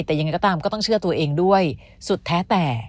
แต่ยังไงก็ตามก็ต้องเชื่อตัวเองด้วยสุดแท้แต่